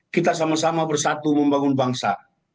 kita sama sama bersatu membangun bangsa